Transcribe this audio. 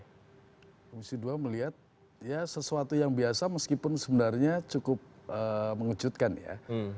komisi dua melihat ya sesuatu yang biasa meskipun sebenarnya cukup mengejutkan ya